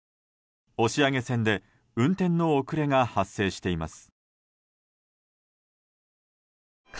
押上線で運転の遅れが発生しています。